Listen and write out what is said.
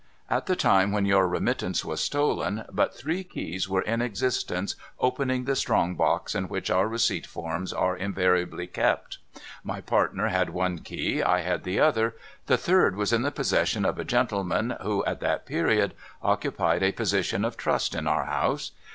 At the time when your remittance was stolen, but three keys were in existence opening the strong box in which our receipt forms are invariably kept. My partner had one key ; I had the other. The third was in the possession of a gentleman who, at that period, occupied a position of trust in our house.